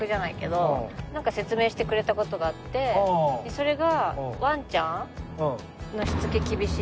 それが。